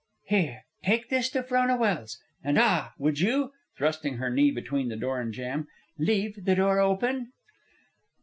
"Here, take this to Frona Welse, and ah! would you!" (thrusting her knee between the door and jamb) "and leave the door open."